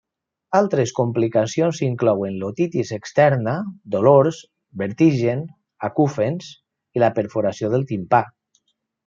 Altres complicacions inclouen l'otitis externa, dolors, vertigen, acúfens i la perforació del timpà.